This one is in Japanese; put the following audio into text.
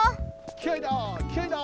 きあいだ！